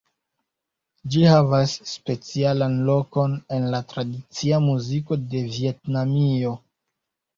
Ĝi havas specialan lokon en la tradicia muziko de Vjetnamio.